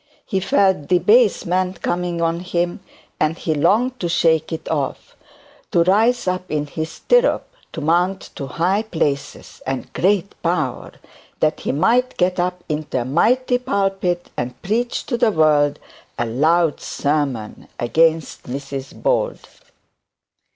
He felt debasement coming on him, and he longed to take it off, to rise up in his stirrup, to mount to high places and great power, that he might get up into a mighty pulpit and preach to the world a loud sermon against Mrs Bold.